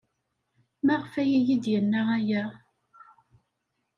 Maɣef ay iyi-d-yenna aya?